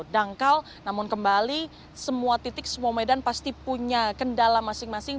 dangkal namun kembali semua titik semua medan pasti punya kendala masing masing